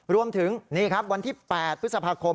รวมถึงนี่ครับวันที่๘พฤษภาคม